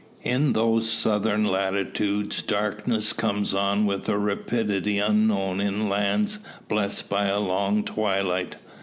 In those southern latitudes darkness comes on with a rapidity unknown in lands blessed by a long twilight.